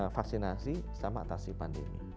vaksinasi sama atasi pandemi